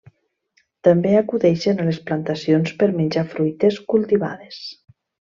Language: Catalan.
També acudeixen a les plantacions per menjar fruites cultivades.